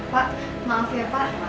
pak maaf ya pak